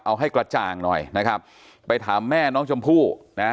เอาให้กระจ่างหน่อยนะครับไปถามแม่น้องชมพู่นะฮะ